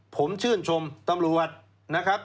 ผมชื่นชมตำรวจนะครับ